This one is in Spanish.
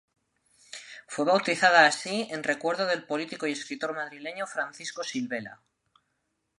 Fue bautizada así en recuerdo del político y escritor madrileño Francisco Silvela.